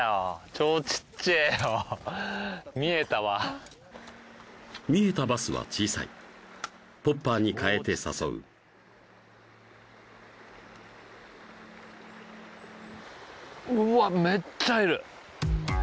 超小っちぇえよ見えたわ見えたバスは小さいポッパーに変えて誘ううーわっめっちゃいる！